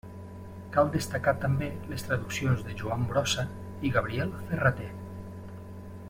Cal destacar també les traduccions de Joan Brossa i Gabriel Ferrater.